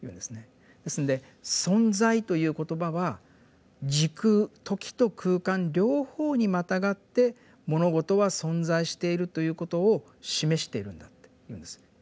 ですので「存在」という言葉は「時空」「時」と「空間」両方にまたがって物事は存在しているということを示しているんだっていうんです。